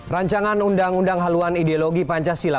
rancangan undang undang haluan ideologi pancasila